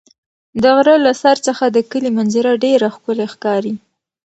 د غره له سر څخه د کلي منظره ډېره ښکلې ښکاري.